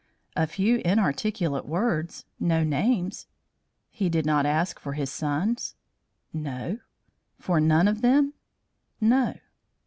"A few inarticulate words, no names." "He did not ask for his sons?" "No." "For none of them?" "No."